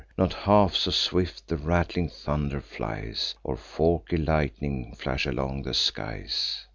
Not half so swift the rattling thunder flies, Or forky lightnings flash along the skies.